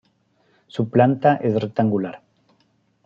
Su planta es rectangular.